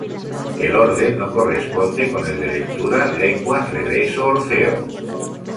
El orden no corresponde con el de lectura: Lenguas-Regreso-Orfeo.